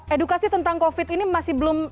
edukasi tentang covid ini masih belum satu tahun ya